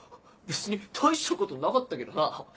別に大したことなかったけどな！